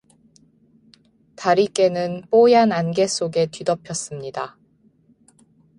다리께는 뽀얀안개 속에 뒤덮였습니다.